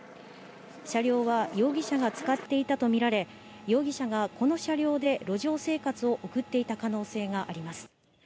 車両は容疑者が使っていたとみられ、容疑者がこの車両で路上生活を送っていた可能性があります。